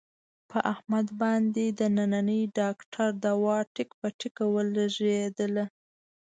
په احمد باندې د ننني ډاکټر دوا ټیک په ټیک ولږېدله.